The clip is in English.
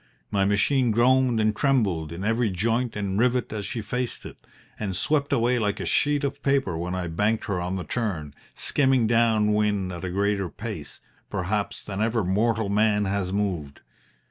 My machine groaned and trembled in every joint and rivet as she faced it, and swept away like a sheet of paper when I banked her on the turn, skimming down wind at a greater pace, perhaps, than ever mortal man has moved.